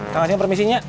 kak ngaceng permisinya